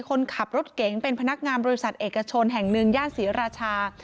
คนขับรถเก๋งเป็นพนักงานบริษัทเอกชนแห่งหนึ่งย่านศรีราชา